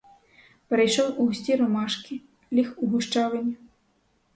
Перейшов у густі ромашки, ліг у гущавині.